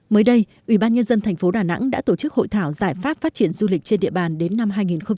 mới đây ubnd tp đà nẵng đã tổ chức hội thảo giải pháp phát triển du lịch trên địa bàn đến năm hai nghìn hai mươi